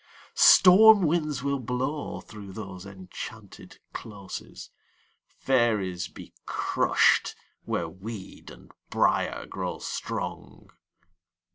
Storm winds will blow through those enchanted closes, Fairies be crushed where weed and briar grow strong